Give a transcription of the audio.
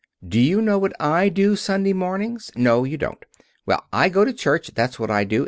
Do you know what I do Sunday mornings? No, you don't. Well, I go to church, that's what I do.